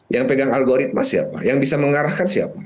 yang pegang algoritma siapa yang bisa mengarahkan siapa